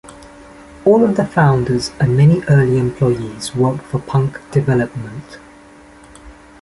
All of the founders and many early employees worked for Punk Development.